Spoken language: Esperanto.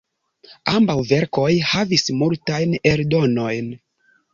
Ambaŭ verkoj havis multajn eldonojn.